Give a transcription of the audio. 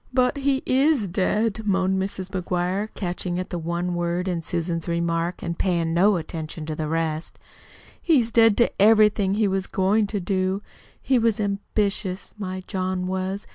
"But he is dead," moaned Mrs. McGuire, catching at the one word in Susan's remark and paying no attention to the rest. "He's dead to everything he was goin' to do. He was ambitious, my John was.